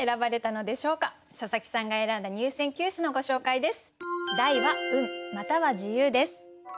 佐佐木さんが選んだ入選九首のご紹介です。